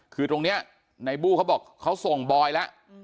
คือตรงนี้ในบู้เขาบอกเขาส่งบอยแล้ว